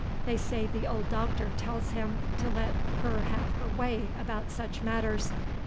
They say the old Doctor tells him to let her have her way about such matters.